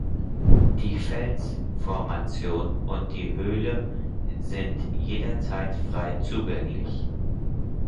Die Felsformation und die Höhle sind jederzeit frei zugänglich.